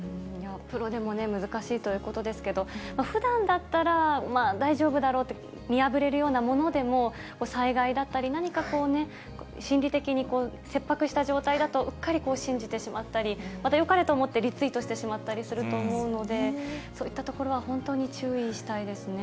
プロでも難しいということですけど、ふだんだったら大丈夫だろうって見破れるようなものでも、災害だったり、何かこうね、心理的に切迫した状態だと、うっかり信じてしまったり、また、よかれと思って、リツイートしてしまったりすると思うので、そういったところは本当に注意したいですね。